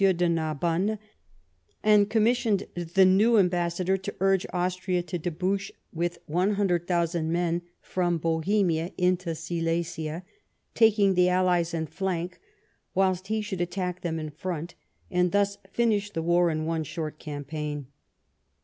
de Narbonne, and com missioned the new ambassador to urge Austria to debouch with 100,000 men from Bohemia into Silesia, taking the allies in flank whilst he should attack them in front, and thus finish the war in one sliort campaign.